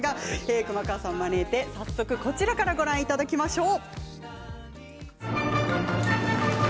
熊川さんを招いて早速こちらからご覧いただきましょう。